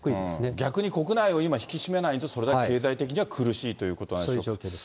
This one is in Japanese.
逆に国内を今引き締めないとそれは経済的には苦しいというこそういうことです。